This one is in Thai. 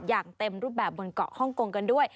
อย่างเต็มรูปแบบบนเกาะฮ่องกงกันด้วย